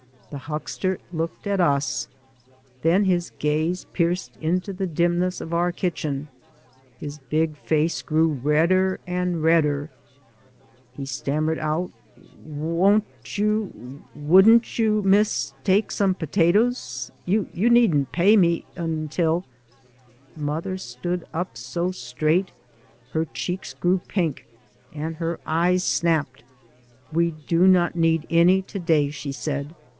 The huckster looked at tis, then his gaze pierced into the dimness of our kitchen. His big face grew redder and redder. He stammered out :" Won't you — wouldn't you, Miss — take some potatoes — you needn't pay me —■ until —" Mother stood up so straight, her cheeks grew pink, and her eyes snapped. " We do not need any to day," she said.